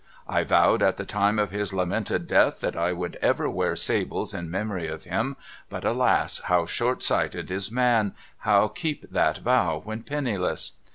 I vowed at the time of his lamented death that I would ever wear sables in memory of him but Alas how short sighted is man, How keep that vow when penniless